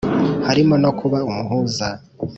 harimo no kuba umuhuza